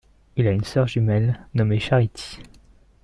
Il a une sœur jumelle nommée Charity.